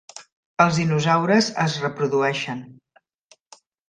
Els dinosaures es reprodueixen!